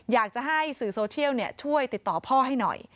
อยากจะให้สื่อโซเชียลช่วยติดต่อพ่อให้หน่อย